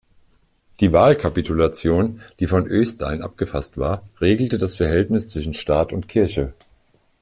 Die Wahlkapitulation, die von Øystein abgefasst war, regelte das Verhältnis zwischen Staat und Kirche.